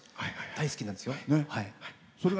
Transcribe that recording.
大好きなんですよ。